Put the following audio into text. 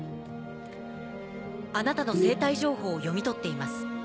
あなたの生体情報を読み取っています。